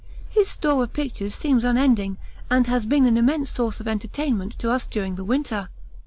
His store of pictures seems unending and has been an immense source of entertainment to us during the winter.